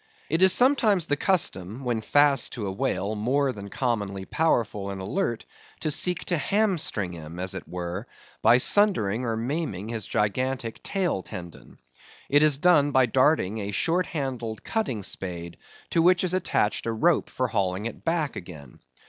It is sometimes the custom when fast to a whale more than commonly powerful and alert, to seek to hamstring him, as it were, by sundering or maiming his gigantic tail tendon. It is done by darting a short handled cutting spade, to which is attached a rope for hauling it back again.